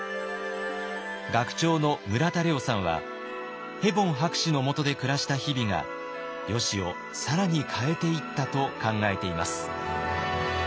学長の村田玲音さんはヘボン博士のもとで暮らした日々がよしを更に変えていったと考えています。